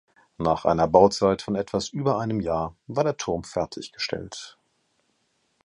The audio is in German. Nach einer Bauzeit von etwas über einem Jahr war der Turm fertiggestellt.